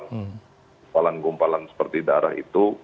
gumpalan gumpalan seperti darah itu